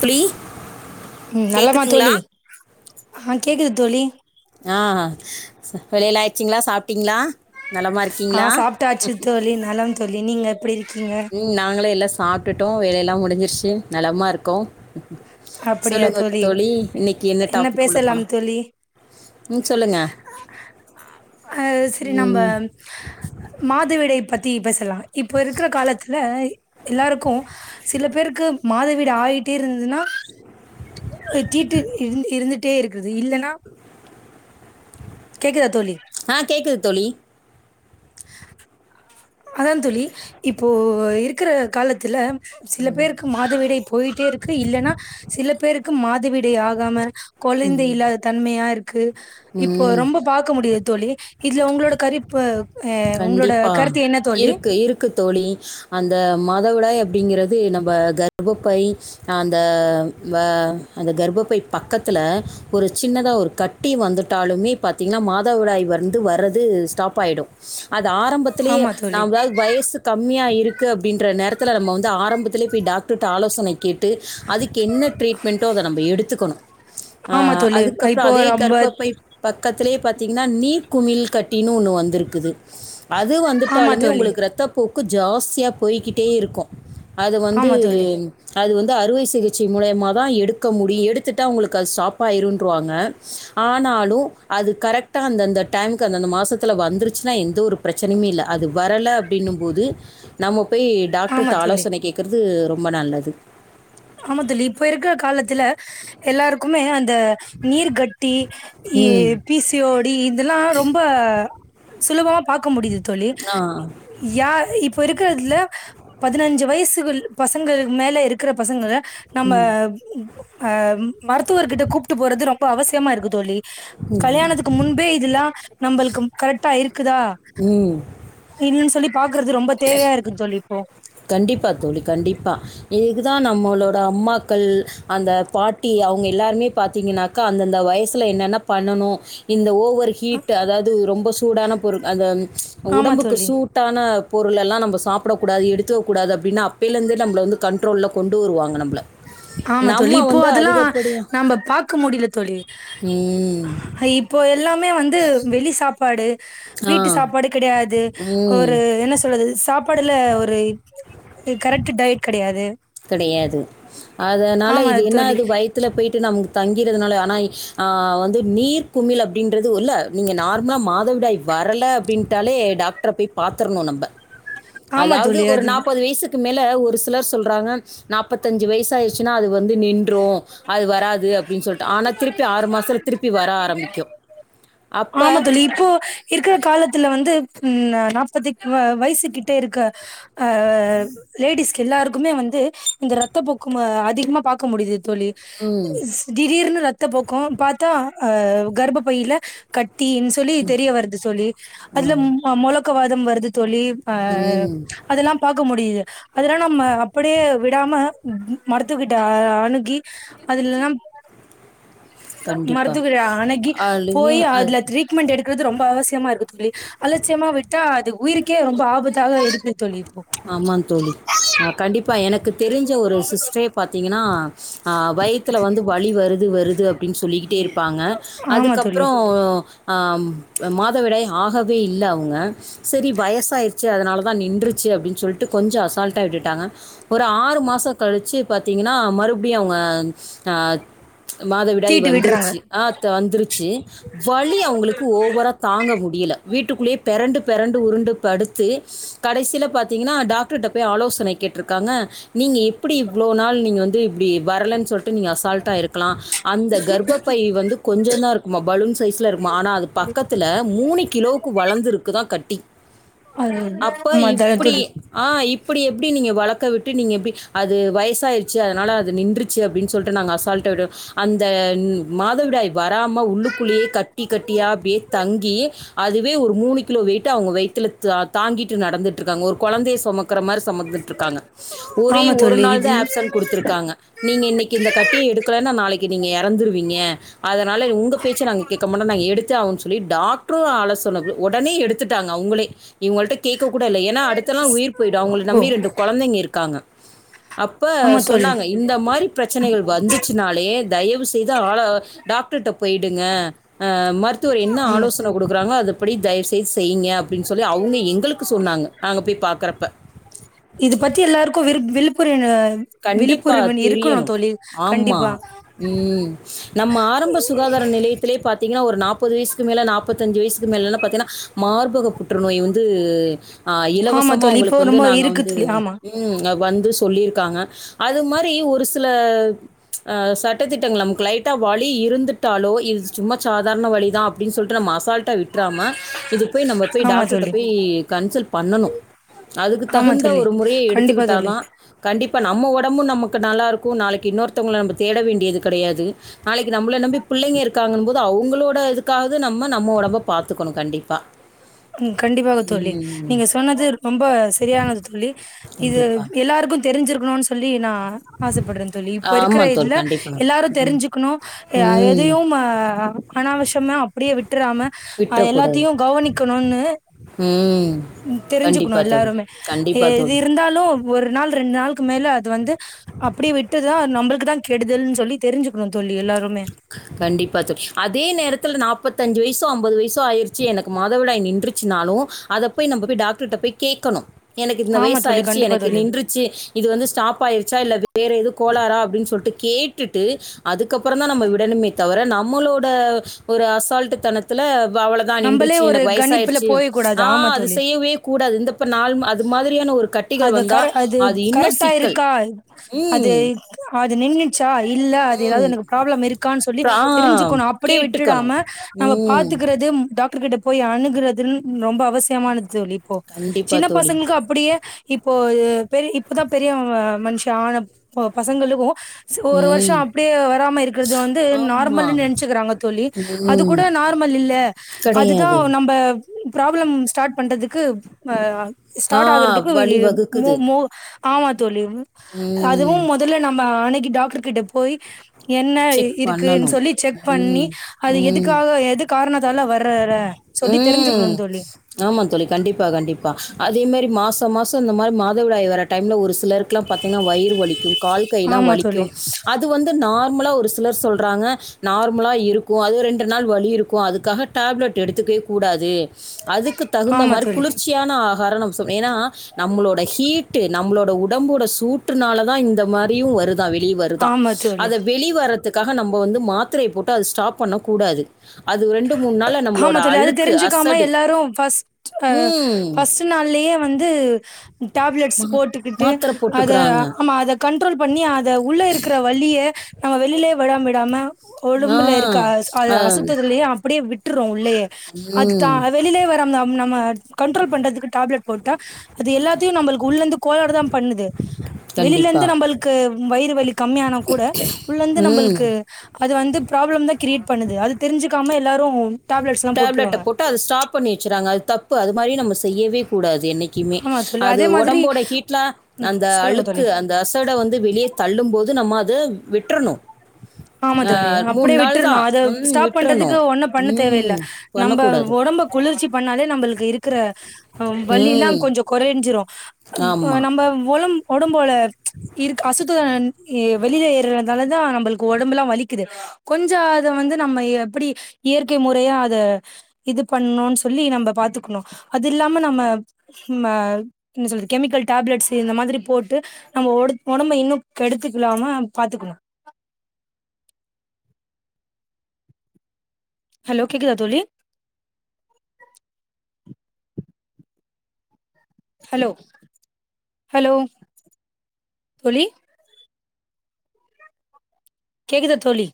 துழி ம் நலமா தோழி ஆ கேக்குது தோழி ஆ வேலைலா ஆய்ச்சிங்ளா சாப் ஆ சாப்ட்டாச்சு தோழி நலம் தோழி நீங்க எப்படி இருக்கீங்க நாங்களா எல்லா சாப்ட்டுட்டோ வேலையெல்லா முடிஞ்சிருச்சு நலம்மா இருக்கோ சொல்லுங்க தோழி இன்னிக்கி என்ன டாபிக் உள்ள பேசலாம் போலா தோழி ம் சொல்லுங்க ஆ சரி நம்ப ம் மாதவிடை பத்தி பேசலா இப்போ இருக்கிற காலத்துல எல்லாருக்கு சில பேருக்கு மாதவிடா ஆகிட்டே இருந்ததுன்னா தீட்டு இருந் இருந்துட்டே இருக்கு இல்லன்னா கேக்குதா தோழி ஆ கேக்குது தோழி அதா தோழி இப்போ இருக்கிற காலத்துல சில பேருக்கு மாதவிடாய் போயிட்டே இருக்கு இல்லன்னா சில பேருக்கு மாதவிடை ஆகாம குழந்தை இல்லா தன்மையா இருக்கு இப்போ ம் ரொம்ப பாக்க முடியு தோழி இதுல உங்களோட கறிப்பு ஆ உங்களோட கண்டிப்பா. கருத் இருக்கு இருக்கு தோழி அந்த மாதவிடாய் அப்படிங்கிறது நம்ப கர்ப்பப்பை அந்த வ அந்த கர்பப்பை பக்கத்துல ஒரு சின்னதாக ஒரு கட் டி வந்துட்டாலுமே பாத்தீங்ன்னா மாதவிடாய் வந் து வற்றது ஸ்டாப் ஆயிடு அது ஆரம்பத்லிலே ஆமா தோழி [unintelligible] வயசு கம்மியா இருக்கு அப்டின்ற நேரத்தில நம்ம வந்து ஆரம்பத் லே போய் டாக்டர்ட்ட ஆலோசனை கேட்டு அதுக் என்ன ட்ரீட்மெண்ட்டோ அத நம்ப எடுத்துக்கோணு ஆ ஆமா தோழி அதுக்கப்பறோ இப்போ அதே ரொம்ப கர்பப்பை பக்கத்துலே பாத்தீங்கன்னா நீர் குமிழ் கட்டின் ஒன்னு வந்துருக்குது அது ஆமா வந்துட்டாலுமே தோழி உங்களுக் இரத்தப்போக்கு ஜாஸ்தியா போய்கிட்டே இருக்கு அது வந்து ஆமா தோழி அது வந்து அறுவை சிகிச்சை மூலியமா தா எடுக்க முடியு எடுத்துட்டா அது உங்களுக் ஸ்டாப்பாயிருன்ருவாங்க ஆனாலு அது கரெக்டா அந்தந்த டைம்க்கு அந்தந்த மாசத்துல வந்துருச்சுனா எந்த ஒரு பிரச்சனையுமே இல்ல அது வரல அப்டினும் போது நம்ம போய் ஆமா டாக்டர்ட தோழி ஆலோசனை கேக்குறது ரொம்ப நல்லது ஆமா தோழி இப்ப இருக்க காலத்துல எல்லாருக்குமே அந்த நீர்கட்டி இ ம் பி சி ஒ டி இதெல்லா ரொம்ப சுலபமா பாக்க முடியுது தோழி ஆ யா இப்ப இருக்கதுல பதினஞ்சு வயசு பசங்களுக் மேல இருக்கற பசங்கள நம்ம ம் ஆ மருத்துவர்கிட்ட கூப்ட்டு போறது ரொம்ப அவசியமா இருக்கு தோழி கல்யாணத்துக் முன்பே இதெல்லா நம்மளுக் கரெக்டா இருக்குதா ம் ன்னு சொல்லி பாக்குறது ரொம்ப தேவையா இருக்கு தோழி இப்போ கண்டிப்பா தோழி கண்டிப்பாக இதுக்கு தா நம்மளோட அம்மாக்கள் அந்த பாட்டி அவங்க எல்லாருமே பாத்தீங்கன்னாக்கா அந்தந்த வயசுல என்னென்ன பண்ணனு இந்த ஓவர் ஹீட்டு அதாவது ரொம்ப சூடான பொருள் அந்த ஆமா உடம்புக்கு தோழி சூ டான பொருள் எல்லா நம்ப சாப்டக்கூடாது எடுத் துக்க கூடாது அப்டின் அப்பைல இருந்தே நம்பள வந்து கண்ட்ரோல்ல கொண்டு வருவாங்க நம்பள ஆமா தோழி இப்போ அதெல்லா நம்ப பாக்க முடில தோழி ம் இப் போ எல்லாமே வந்து வெளி சாப்பாடு ஆ வீட்டு சாப்பாடு கிடையாது ம் ஒரு என்ன சொல்றது சாப்பாடுல ஒரு கரெட் டயட் கடையாது கடையாது அதனால ஆமா இது தோழி என்னாது வயத்துல போயிட்டு நமக் தங்கிறதுனால ஆனா ஆ வந்து நீர் குமிழ் அப்டின்றது இல்ல நீங்க நார்மலா மாதவிடாய் வரல அப்டின்ட்டாலே டாக் ட்ர போய் பாத்ரணு நம்ப ஆமா அதாவது தோழி ஒரு அது நாப்பது வயசுக்கு மேல ஒரு சிலர் சொல்றாங்க நாப்பத்தஞ்சு வயசா ச்சுன்னா அது வந்து நின்று அது வராது அப்டின்னு சொல்ட்டு ஆனா திருப்பி ஆறு மாசத்துல திருப்பி வர ஆரம்பிக்கு ஆமா தோழி இப்போ இருக்கற காலத்துல வந்து ம் நாப்பது வயசு கிட்ட இருக்க அஹ் லேடிஸ்க்கு எல்லாருக்குமே வந்து இந்த ரத்தப்போக்கு அதிகமா பாக்க முடிது தோழி ம் ஸ்- திடீர்னு ரத்த போக்கு பாத்தா அஹ் கர்ப்ப பையில கட்டின் தோழி தெரிய வருது தோழி அதுல ஆமா. முழக்கவாதம் வருது தோழி ஆ ம். அதுல்லா பாக்க முடியுது அதெல்லா நம்ம அப்படியே விடாம மருத்துவக்கிட்ட அணுகி அதுலல்லாம் கண்டிப்பா. மருத்துவரை அணகி போய் அது ட்ரீட்மெண்ட் எடுக்குறது ரொம்ப அவசியமா இருக்கு தோழி அலட்சியமா விட்டா அது உயிருக்கே ரொம்ப ஆபத்தாக இருக்கு தோழி இப்போ ஆமா தோழி அ கண்டிப்பா எனக்கு தெரிஞ்ச ஒரு சிஸ்டரே பாத்தீங்கன்னா அ வயித்துல வந்து வலி வருது வருது அப்டினு சொல்லிக்கிட்டே இருப்பாங்க ஆமா தோழி அதுக்கப்பறோ ஆ மாதவிடாய் ஆகவே இல்ல அவுங்க சரி வயசாயிருச்சே அதனால தா நின்று ச்சு அப்டின்னு சொல்ட்டு கொஞ்ச அசால்டா விட்டுட்டாங்க ஒரு ஆறு மாச கழிச்சு பாத்தீங்கன்னா மறுபடியு அவுங்க அ மாதவிடாய் தீட்டு விடுறாங்க வந்துருச்சு ஆ இப்ப வந்துருச்சு வலி அவுங்களுக்கு ஒவரா தாங்க முடியல வீட்டுக்குள்ளேயே பெரண்டு பெரண்டு உருண்டு படுத்து கடைசியில பாத்தீங்கன்னா டாக்டர்ட்ட போய் ஆலோசனை கேட்ருக்காங்க நீங்க எப்டி இவ்ளோ நாள் நீங்க வந்து இப்டி வரலன்னு சொல்ட்டு நீங்க அசால்ட்டா இருக்கலா அந்த கர்ப்ப பை வந்து கொஞ்ச தா இருக்குமா பலூன் சைஸ்ல இருக்குமா ஆனா அது பக்கத்துல மூணு கிலோ கு வளந்துருக்குதா கட்டி அப்ப [unintelligible] இப்டி ஆ இப்டி எப்டி நீங்க வளக்க விட்டு நீங்க எப்டி அது வயசாயிருச்சு அதனால அது நின்றுச் ச்சு அப்டின் சொல்ட்டு நாங்க அசால்டா விடோ அந்த மாதவிடாய் வராம உள்ளுக்குள்ளேயே கட்டி கட்டியா அப்டியே தங்கி அதுவே ஒரு மூணு கிலோ வெய்ட்ட அவுங்க வயித்ல த தாங்கிட்டு நடந்துட்ருக்காங்க ஒரு கொழந்தய சொ சொமக்குற மாரி சொமந்துட்ருக்காங்க ஒரே ஆமா ஒரு தோழி நாள் தா இது ஆப்சன்ட் குடுத்துருக்காங்க நீங்க இன்னைக்கு இந்த கட்டிய எடுக்கலன்னா நாளைக்கு நீங்க எறந்துருவீங்க அதனால உங்க பேச்ச நாங்க கேட்க மாட்டோ நா எடுத்தே ஆவோ சொல்லி டாக்ட்ரு ஆலோசன ஒடனே எடுத் த்துட்டாங்க அவுங்களே இவுங்கள்ட்ட கேட்க கூட இல்ல ஏன்னா அடுத்த நா உயிர் போயிடு அவுங்கள ஓ நம்பி ரெண்டு கொழந்தைங்க இருக்காங்க அப்ப ஆமா தோழி சொன்னாங்க இந்த மாரி பிரச்சனைகள் வந்துச்சுனாலே தயவுசெய்து ஆல டாக்டர்ட்ட போயிடுங்க ஆ மருத்துவர் என்ன ஆமா ஆலோசன குடுக்குறாங்களோ அது படி தயவுசெய்து செய்யுங்க அப்டின்னு சொல்லி அவுங்க எங்களுக்கு சொன்னாங்க நாங்க போய் பாக்கறப்ப இத பத்தி எல்லாருக்கு விரிப் விழுப்புரிவன கண்டிப்பா விழிப்புரிவல் இருக்கணு தெரியணும். தோழி ஆமா. கண்டிப்பா ம் நம்ம ஆரம்ப சுகாதார நிலையத்திலே பாத்தீங்கன்னா ஒரு நாப்பது வயசுக்கு மேல நாப் பத்தஞ்சு வயசுக்கு மேல பாத்தீங்கன்னா மார்பக புற்றுநோய் வந்து ஆ ஆமா இலவசமா தோழி இப்போ உங்களுக்கு வந்து ரொம்ப நாங்க இருக்கு வந்து தோழி ஆமா ம் வந்து சொல்லிருக்காங்க அது மாரி ஒரு சில அ சட்டத்திட்டங்கள் நமக்கு லைட்டா வழி இருந்துட்டாலோ இது சும்மா சாதாரண வழி தா அப்டின்னு சொல்ட்டு நம்ம அசால்ட்ட விட்றாம இது போய் நம்ம போய் ஆமா டாக்டர்ட்ட தோழி போய் கன்சல்ட் பண்ணணு அதுக்கு ஆமா தகுந்த தோழி ஒரு முறைய கண்டிப்பா தோழி எடுத்துக்கிட்டாதா கண்டிப்பா நம்ம ஒடம்பு நமக்கு நல்லா இருக்கு நாளைக்கு இன்னொருத்தவங்கள நம்ப தேட வேண்டியது கெடையாது நாளைக்கு நம்பள நம்பி புள்ளைங்க இருக்காங்கம்போது அவுங்களோட இதுக் அதுக்காவது நம்ம நம்ம ஒடம்ப பாத்துக்கணு கண்டிப்பா ம் கண்டிப்பாக தோழி ம். நீங்க சொன்னது ரொம்ப சரியானது தோழி இது கண்டிப்பா. எல்லாருக்கு தெரிஞ்சிருக்கனு னு சொல்லி நா ஆசப்படுறே தோழி இப்ப இருக்குற ஆமா தோழி. இதுல கண்டிப்பா. எல்லாரு தெரிஞ்சுக்கணு அ ம். எதையு அ அனாவசியமா அப்டியே விட்டுறாம விட்றக்கூடாது. எல்லாத்தையு கவனிக் ஒன்னு ம். தெரிஞ்சுக்கணு கண்டிப்பா தோழி. எல்லாருமே கண்டிப்பா எது இருந் தோழி. இருந்தாலு ஒரு நாள் ரெண்டு நாள்க்கு மேல அது வந்து அப்டியே விட்டுதா நம்பளுக்கு தா கெடுதல்ன்னு சொல்லி தெரிஞ்சுக்கணு தோழி எல்லாருமே கண்டிப்பா தோழி அதே நேரத்தில் நாப்பத்தஞ்சு வயசோ ஐம்பது வயசோ ஆயிருச்சு எனக்கு மாதவிடாய் நின்று னாலு அத போய் நம்ம போய் டாக்டர்ட்ட போய் கேக்கணு எனக்கு இந்த ஆமா வயசு தோழி ஆயிடுச்சு கண்டிப்பா எனக்கு தோழி நின்று ச்சு இது வந்து ஸ்டாப் ஆயிடுச்சா இல்ல வேற எது கோலாரா அப்டின்னு சொல்ட்டு கேட்டுட்டு அதுக்கப்றோ தா நம்ம விடனுமே தவிர நம்மளோட ஒரு அசால்டு தனத் துல அவ்ளதா நம்மளே நின்றுச்சு ஒரு எனக்கு கணிப்புல வயசாயிறுச்சு போய கூடாது ஆ ஆமா அது தோழி செய்யவே கூடாது இந்தப்ப நாள் அது மாதிரியான ஒரு கட் கட்டிகள் அது வந்தா கர அது இன்னு கரெக்டா சிக்கல் இருக்கா அது ம் அது நின்னுச்சா இல்ல அது ஏதாவது ம். எனக்கு ப்ராப்ளம் இருக்கானு சொல்லி ஆ, தெரிஞ்சுக்கணு அப்டியே விட்டுடாம கேட்டுக்கணும். நம்ம ம். பாத்துக்குறது டாக் டர் கிட்ட போய் அணுகுறதுன்னு ரொம்ப அவசியமானது தோழி இப்போ கண்டிப்பா சின்ன தோழி. பசங்களுக்கு அ அப்டியே இப்போ பெரி இப்போதா பெரிய மனுஷி ஆன ப பசங்களுக்கு ஒரு வருஷோ ம். அப்டியே வராம இருக்குறது வந்து ஆமா. நார்மல்னு நெனச்சுக்கிறாங்க தோழி ம். அதுக்கூட நார்மல் இல்ல அதுதா கிடையாது. நம்ப ப்ராப்ளம் ஸ்டார்ட் பண்றதுக்கு அ ஆ ஸ்டார்ட் ஆகுறதுக்கு மு வழிவகுக்குது. மு ஆமா தோழி அதுவு ம். மொதல்ல நம்ம அனுகி டாக்டர் கிட்ட போய் என்ன செக் இருக்குன்னு பண்ணணும். சொல்லி செக் பண்ணி ம். அது ம். எதுக்காக எது காரணத்தால வர்றர சொல்லி ம். தெரிஞ்சுக்கனு தோழி ஆமா தோழி கண்டிப்பா கண்டிப்பா அதே மாரி மாசோ மாசோ இந்த மாரி மாதவிடாய் வர டைம்ல ஒரு சிலருக்ல்லா பாத்தீங்கன்னா வயிறு வலிக்கு கால் கைல்லா ஆமா வலிக்கு தோழி அது வந்து நார் கும்பலா ஒரு சிலர் சொல்றாங்க நார்மலா இருக்கு அது ரெண்டு நாள் வலி இருக்கு அதுக்காக டேப்லெட் எடுத்துக்கவே கூடாது அதுக்கு தகுந்த ஆமா மாரி தோழி குளிர்ச்சியான ஆகாரம் நம்ம சாப்டணு ஏனா நம்மளோட ஹீட்டு நம்மளோட உடம்போட சூட்டுனால தா இந்த மாரியு வருதா வெளிய வரு தா ஆமா தோழி அத வெளி வர்றதுக்காக நம்ம வந்து மாத்திரைய போட்டு அது ஸ்டாப் பண்ண கூடாது ஆமா தோழி அது தெரிஞ்சுக்காம அசடு எல்லாரு ஃபஸ்ட்டு ஆ ஃபஸ் ம் ஃபர்ஸ்ட் நாள்ளயே வந்து டேப்லெட்ஸ் மா- போட்டுக்கிட்டு மாத்திரை அத போட்டுக்கிறாங்க ஆமா அத கண்ட்ரோல் பண்ணி அத உள்ள இருக்கற வலிய நம்ம வெளிலயே விடா விடாம ஆ ஓடம்புல இருக்க அ ஆ, அசுத்தத்துலயு அப்டியே விட்டுறோ உள்ளயே அது தா ம் வெளிலயே வராம ஆ நம்ம கண்ட்ரோல் பண்றதுக்கு டேப்லெட் போட்டா அது எல்லாத்தையு நம்மளுக்கு உள்ளந்து கோலார் தா பண்ணுது கண்டிப்பா வெளிலேந்து நம்மளளுக்கு வயிறு வலி கம்மியானா கூட உள்ளந்து ம் நம்மளுக்கு அது வந்து ப்ராப்ளம் தா கிரியேட் பண்ணுது அது தெருஞ்சுக்காம எல்லாரு டேப்லெட்ஸ் எல்லா டேப்லெட்ட போட்டுருக்காங்க போட்டு அத ஸ்டாப் பண்ணி வச்சுறாங்க அது தப்பு அது மாரி நம்ம செய்யவே கூடாது என்னை க்குமே ஆமா தோழி அது அதே மாதிரி ஒடம்போட ஹீட்ல ம் அந்த சொல்லுங்க அழுக்கு தோழி அந் த அசட வந்து வெளிய தள்ளும் போது நம்ம அத விட்றணு ஆமா தோழி அப்டியே விட்றணு அத ம் ஸ்டாப் பண்றதுக்கு விட்டுறணும் ஒன்னு பண்ண தேவயில்ல ம் நம்ம பண்ணக்கூடாது ஒடம்ப குளிர்ச்சி பண்ணாலே நம்மளுக்கு இருக்குற ஆ வலில்லா ம் கொஞ்சோ கொறேஞ்சிரு அ ஆமாம் நம்ம ஒலம் ஒடம்போல இருக் அசுத்தன் வெளிய ஏறதால தா நம்பளுக் ஒடம்பல்லா வலிக்குது கொஞ்ச அத வந்து நம்ம எப்டி இயற்கை முறையா அத இது பண்ணுன் சொல்லி நம்ம பாத்துக்கணு அது இல்லாம நம்ம ம்ம என்ன சொல்து கெமிக்கல் டேப்லெட்ஸு இந்த மாதிரி போட்டு நம்ம ஒடத் ஒடம்ம இன்னும் கெடுத்துக்கிடாம பாத்துக்ணு ஹலோ கேக்குதா தோழி ஹலோ ஹலோ தோழி கேக்குதா தோழி